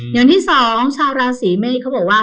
อย่างที่สองชาวราศีเมษเขาบอกว่า